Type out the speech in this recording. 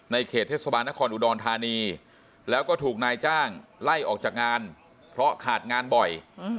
เขตเทศบาลนครอุดรธานีแล้วก็ถูกนายจ้างไล่ออกจากงานเพราะขาดงานบ่อย